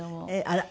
あら。